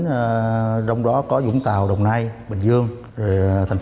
trong đó có vũng tàu đồng nai bình dương tp hcm